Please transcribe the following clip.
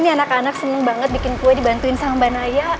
ini anak anak senang banget bikin kue dibantuin sama mbak naya